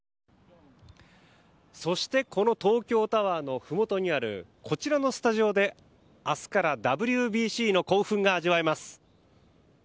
そして東京タワーのふもとにあるこちらのスタジオで明日からＷＢＣの興奮が味わえます。